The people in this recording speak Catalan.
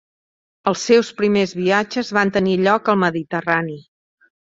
Els seus primers viatges van tenir lloc al Mediterrani.